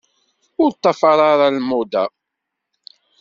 Ur ṭṭafar ara lmuḍa.